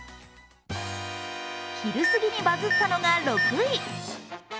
昼過ぎにバズったのが６位。